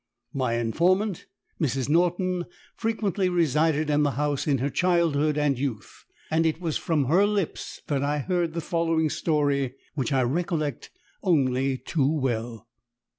My informant, Mrs. Norton, frequently resided in the house in her childhood and youth, and it was from her lips that I heard the following story which I recollect only too well.